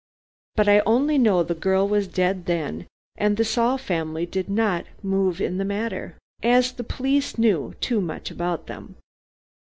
But I only know the girl was dead then, and the Saul family did not move in the matter, as the police knew too much about them.